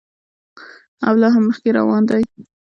او لا هم مخکې روان دی.